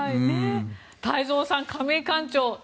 太蔵さん、亀井館長